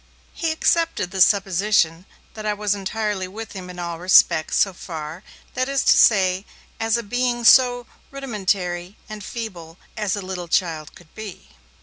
He accepted the supposition that I was entirely with him in all respects, so far, that is to say, as a being so rudimentary and feeble as a little child could be.